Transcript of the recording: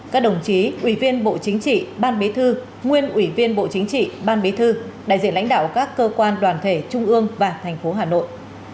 các đồng chí ủy viên bộ chính trị ban bí thư nguyên ủy viên bộ chính trị ban bí thư đại diện lãnh đạo các cơ quan đoàn thể trung ương và thành phố hà nội